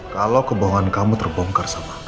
kalau kebohongan kamu terbongkar sama kamu